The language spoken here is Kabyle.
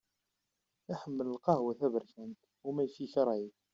Iḥemmel lqahwa taberkant, wama ayefki ikreh-ih.